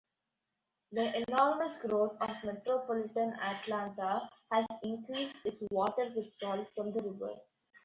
The enormous growth of metropolitan Atlanta has increased its water withdrawals from the river.